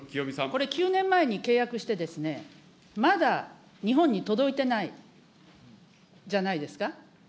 これ、９年前に契約して、まだ日本に届いてないじゃないですか。